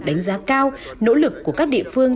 đánh giá cao nỗ lực của các địa phương